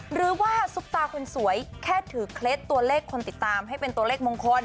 ซุปตาคนสวยแค่ถือเคล็ดตัวเลขคนติดตามให้เป็นตัวเลขมงคล